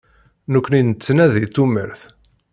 Nekkni nettnadi tumert.